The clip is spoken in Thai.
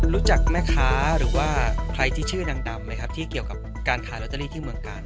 รู้จักแม่ค้าหรือว่าใครที่ชื่อนางดำไหมครับที่เกี่ยวกับการขายลอตเตอรี่ที่เมืองกาล